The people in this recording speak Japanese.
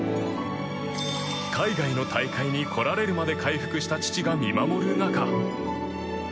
海外の大会に来られるまで回復した父が、見守る中。